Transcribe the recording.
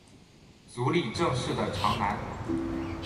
足利政氏的长男。